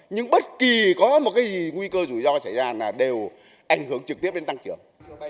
nhưng bất kỳ có một cái nguy cơ rủi ro xảy ra là đều ảnh hưởng trực tiếp đến tăng trưởng